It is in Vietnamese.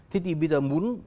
thế thì bây giờ muốn